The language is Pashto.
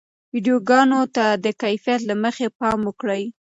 ویډیوګانو ته د کیفیت له مخې پام وکړئ.